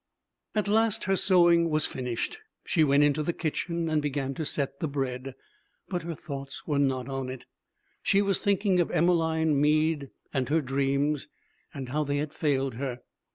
At last, her sewing was finished. She went into the kitchen and began to set the bread. But her thoughts were not on it. She was thinking of Emmeline Mead and her dreams, and how they had failed her.